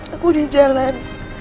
aku di jalan